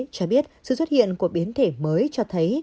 cho biết sự xuất hiện của biến thể mới cho thấy